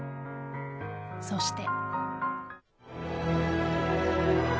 そして。